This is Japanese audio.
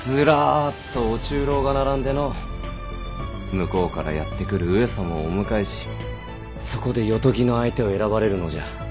向こうからやって来る上様をお迎えしそこで夜伽の相手を選ばれるのじゃ。